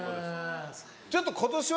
ちょっと今年はですね